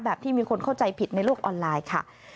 ที่มีคนเข้าใจผิดในโลกออนไลน์ค่ะ